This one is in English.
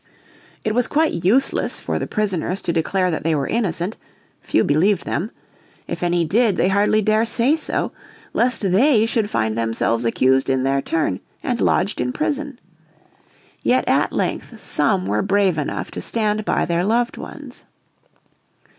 It was quite useless for the prisoners to declare that they were innocent. Few believed them. If any did they hardly dare say so, lest they should find themselves accused in their turn and lodged in prison. Yet at length some were brave enough to stand by their loved ones.